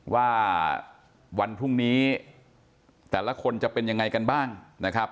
ว่าวันพรุ่งนี้แต่ละคนจะเป็นยังไงกันบ้างนะครับ